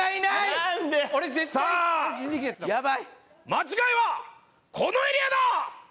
間違いはこのエリアだ！